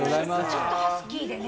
ちょっとハスキーでね。